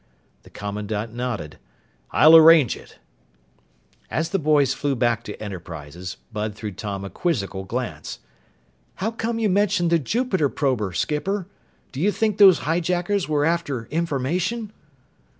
The commandant nodded. "I'll arrange it." As the boys flew back to Enterprises, Bud threw Tom a quizzical glance. "How come you mentioned the Jupiter prober, skipper? Do you think those hijackers were after information?"